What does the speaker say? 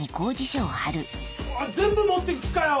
全部持っていく気かよ！